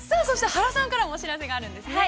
◆原さんからもお知らせがあるんですね。